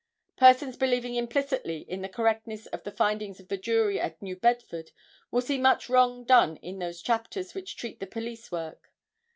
Persons believing implicitly in the correctness of the findings of the jury at New Bedford will see much wrong done in those chapters which treat of the police work.